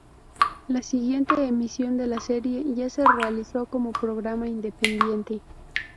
La siguiente emisión de la serie ya se realizó como programa independiente.